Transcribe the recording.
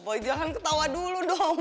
pokoknya jangan ketawa dulu dong